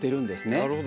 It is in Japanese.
なるほど。